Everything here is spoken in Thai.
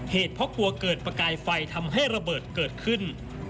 เพราะกลัวเกิดประกายไฟทำให้ระเบิดเกิดขึ้น